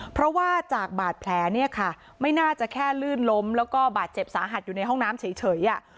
เพราะว่าจากบาดแผลเนี่ยค่ะไม่น่าจะแค่ลื่นล้มแล้วก็บาดเจ็บสาหัสอยู่ในห้องน้ำเฉย